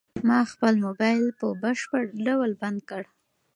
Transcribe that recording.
ما خپل موبايل په بشپړ ډول بند کړ.